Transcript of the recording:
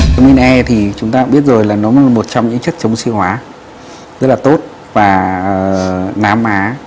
vitamin e thì chúng ta cũng biết rồi là nó là một trong những chất chống oxy hóa rất là tốt và nám má